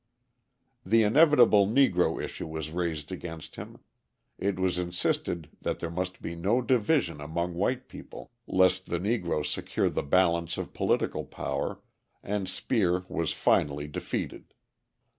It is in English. The inevitable Negro issue was raised against him, it was insisted that there must be no division among white people lest the Negro secure the balance of political power, and Speer was finally defeated.